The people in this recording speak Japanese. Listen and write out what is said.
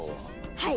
はい！